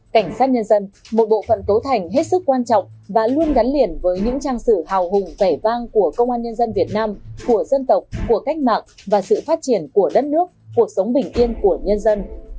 cảnh sát nhân dân một bộ phận cấu thành hết sức quan trọng và luôn gắn liền với những trang sử hào hùng vẻ vang của công an nhân dân việt nam của dân tộc của cách mạng và sự phát triển của đất nước cuộc sống bình yên của nhân dân